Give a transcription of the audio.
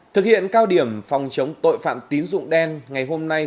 thực hiện cao điểm phòng chống tội phạm tín dụng đen ngày hôm nay